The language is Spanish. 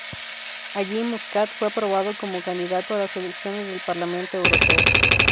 Allí Muscat fue aprobado como candidato a las elecciones del Parlamento Europeo.